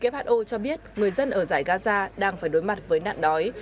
who cho biết người dân ở giải gaza đang phải đối mặt với nạn đói